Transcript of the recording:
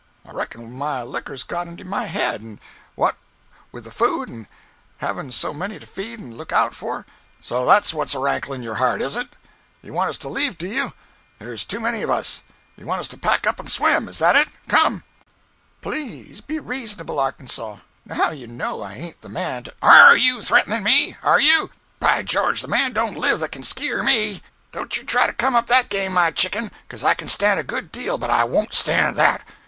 I reckon my licker's got into my head, and what with the flood, and havin' so many to feed and look out for—" "So that's what's a ranklin' in your heart, is it? You want us to leave do you? There's too many on us. You want us to pack up and swim. Is that it? Come!" "Please be reasonable, Arkansas. Now you know that I ain't the man to—" "Are you a threatenin' me? Are you? By George, the man don't live that can skeer me! Don't you try to come that game, my chicken—'cuz I can stand a good deal, but I won't stand that.